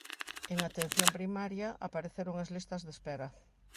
En atención primaria apareceron as listas de espera.